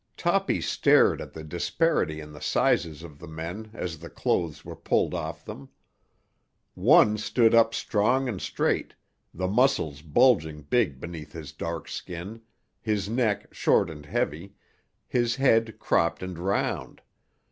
Toppy stared at the disparity in the sizes of the men as the clothes were pulled off them. One stood up strong and straight, the muscles bulging big beneath his dark skin, his neck short and heavy, his head cropped and round.